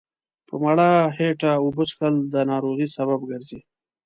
په لمړه هيټه اوبه څښل دا ناروغۍ سبب ګرځي